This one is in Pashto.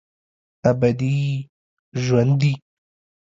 ابدي ژوندي